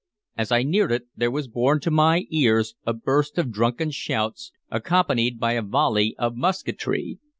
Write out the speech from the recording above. As I neared it, there was borne to my ears a burst of drunken shouts accompanied by a volley of musketry.